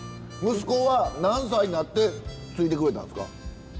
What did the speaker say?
息子は何歳になって継いでくれたんですか？